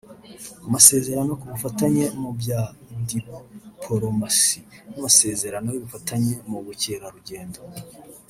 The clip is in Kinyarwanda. amasezerano ku bufatanye mu bya dipolomasi n’amasezerano y’ubufatanye mu bukerarugendo